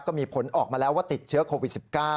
ก็มีผลออกมาแล้วว่าติดเชื้อโควิด๑๙